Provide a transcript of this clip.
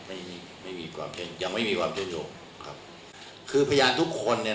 ไม่มีไม่มีความเห็นยังไม่มีความเชื่อมโยงครับคือพยานทุกคนเนี่ย